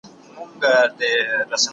د ماشومانو لپاره د انګرېزۍ کیسې ګټورې دي.